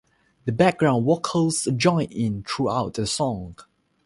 The background vocals join in throughout the song.